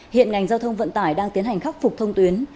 hiện ngành giao thông vận tải đang tiến hành khắc phục thông tuyến